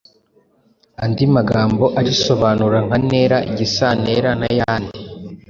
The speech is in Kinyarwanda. andi magambo arisobanura nka ntera, igisantera, n’ayandi.